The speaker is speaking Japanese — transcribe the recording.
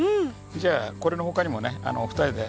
じゃあこれの他にもねお二人で。